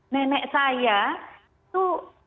nenek saya itu